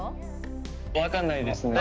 分かんないですね。